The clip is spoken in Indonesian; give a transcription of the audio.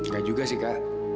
gak juga sih kak